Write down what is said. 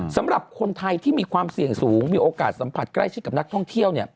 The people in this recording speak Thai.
สำหรับคนไทยที่มีความเสี่ยงสูงมีโอกาสสัมผัสใกล้ชิดกับนักท่องเที่ยว